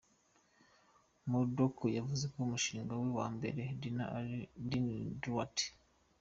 Murdock yaguze umushinga we wa mbere “a Dinner in Detroit”.